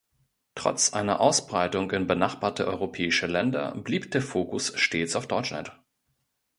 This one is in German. Trotz einer Ausbreitung in benachbarte europäische Länder blieb der Fokus stets auf Deutschland.